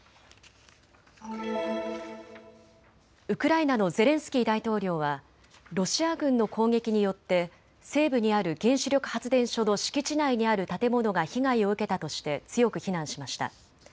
ウクライナのゼレンスキー大統領はロシア軍の攻撃によって西部にある原子力発電所の敷地内にある建物が被害を受けたとして強く非難しました。